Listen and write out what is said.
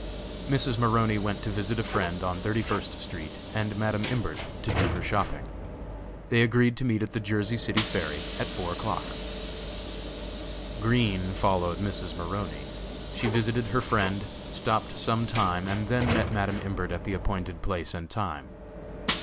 Mrs. Maroney went to visit a friend on Thirty first street and Madam Imbert to do her shopping. They agreed to meet at the Jersey City ferry at four o'clock. Green followed Mrs. Maroney. She visited her friend, stopped some time and then met Madam Imbert at the appointed place and time.